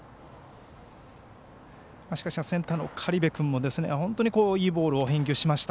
しかし、センターの苅部君もいいボールを返球しました。